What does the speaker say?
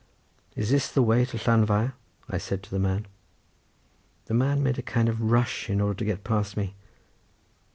"Is this the way to Llanfair?" said I to the man. The man made a kind of rush in order to get past me.